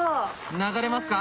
流れますか？